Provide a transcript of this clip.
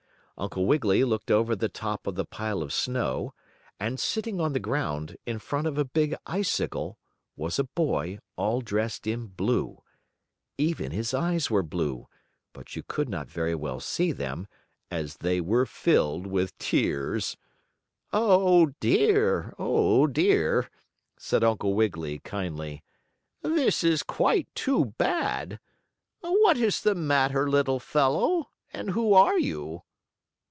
Uncle Wiggily looked over the top of the pile of snow, and, sitting on the ground, in front of a big icicle, was a boy all dressed in blue. Even his eyes were blue, but you could not very well see them, as they were filled with tears. "Oh, dear! Oh, dear!" said Uncle Wiggily, kindly. "This is quite too bad! What is the matter, little fellow; and who are you?"